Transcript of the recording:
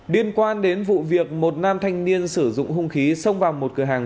liên quan đến vụ việc một nam thanh niên sử dụng hung khí xông vào một cửa hàng